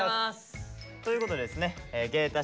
ということでですね